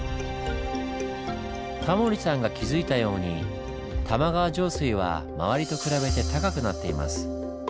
タモリさんが気付いたように玉川上水は周りと比べて高くなっています。